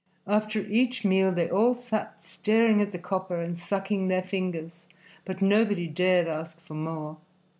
After each meal they all sat staring at the copper and sucking their fingers, but nobody dared ask for more.